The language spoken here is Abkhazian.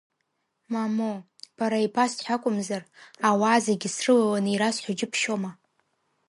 Мамоу, бара ибасҳәт акәымзар, ауаа зегьы срылаланы ирасҳәо џьыбшьома!